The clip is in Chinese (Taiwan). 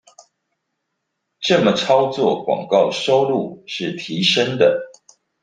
這麼操作廣告收入是提升的